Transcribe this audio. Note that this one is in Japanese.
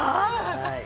はい。